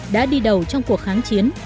đã đi đầu trong cuộc kháng chiến